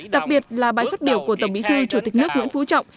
đặc biệt là bài phát biểu của tổng bí thư chủ tịch nước nguyễn phú trọng